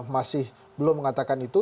masih belum mengatakan itu